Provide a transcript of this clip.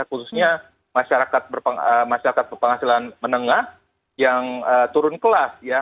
khususnya masyarakat berpenghasilan menengah yang turun kelas ya